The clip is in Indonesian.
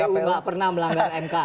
kpu nggak pernah melanggar mk